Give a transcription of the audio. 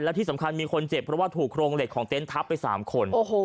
และที่สำคัญมีคนเจ็บเพราะว่าถูกโครงเหล็กของเต็นต์ทับไป๓คน